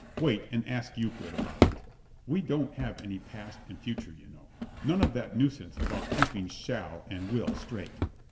Wait and ask Euclid about it. We don't have any past and future, you know. None of that nuisance about keeping shall and will straight.